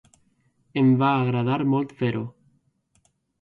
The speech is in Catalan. Em va agradar molt fer-ho.